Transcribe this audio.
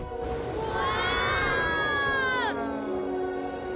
うわ！